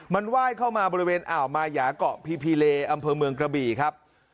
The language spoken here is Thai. มันไหว้เข้ามาบริเวณอ่าวมายาเกาะพีพีเลอำเภอเมืองกระบี่ครับ